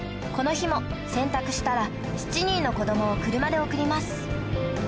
この日も洗濯したら７人の子供を車で送ります